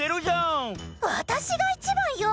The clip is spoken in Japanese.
わたしがいちばんよ！